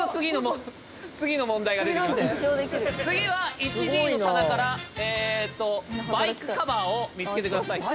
次は１Ｄの棚からバイクカバーを見つけてくださいという。